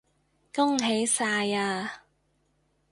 恭喜晒呀